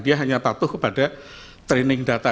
ini patuh kepada training data